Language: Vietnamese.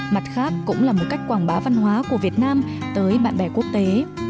mặt khác cũng là một cách quảng bá văn hóa của việt nam tới bạn bè quốc tế